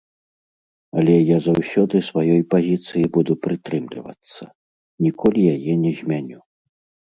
Але я заўсёды сваёй пазіцыі буду прытрымлівацца, ніколі яе не змяню.